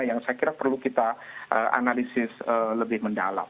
yang saya kira perlu kita analisis lebih mendalam